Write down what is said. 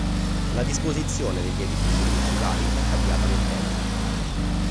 La disposizione degli edifici principali è cambiata nel tempo.